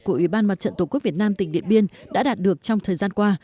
của ủy ban mặt trận tổ quốc việt nam tỉnh điện biên đã đạt được trong thời gian qua